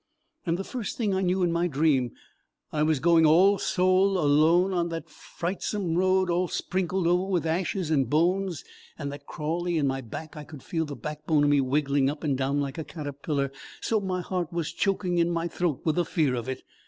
"And the first thing I knew in my dream I was going all sole alone on a frightsome road all sprinkled over with ashes and bones, and I that crawly in my back I could feel the backbone of me wiggling up and down like a caterpillar, so my heart was choking in my throat with the fear of it.